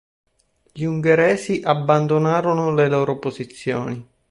Gli Ungheresi abbandonarono le loro posizioni.